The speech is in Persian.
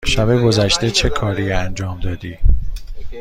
شب گذشته چه کاری انجام دادی؟